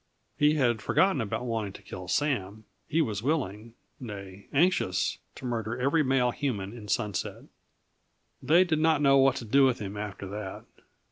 He had forgotten about wanting to kill Sam; he was willing nay, anxious to murder every male human in Sunset. They did not know what to do with him after that.